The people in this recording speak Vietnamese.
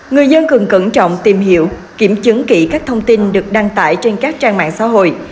người dân cần cẩn trọng tìm hiểu kiểm chứng kỹ các thông tin được đăng tải trên các trang mạng xã hội